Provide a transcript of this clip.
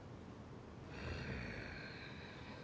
うん。